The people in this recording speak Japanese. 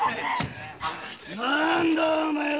何だお前は。